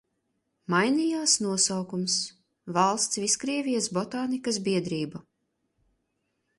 "Mainījās nosaukums – "Valsts Viskrievijas botānikas biedrība"."